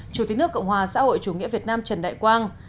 chủ tịch nước cộng hòa xã hội chủ nghĩa việt nam trần đại quang